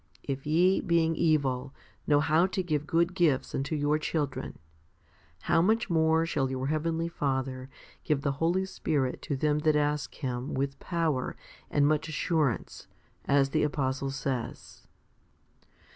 2 If ye, being evil, know how to give good gifts unto your children, how much more shall your heavenly Father give the Holy Spirit to them that ask Him* with power and much assurance, as the apostle says.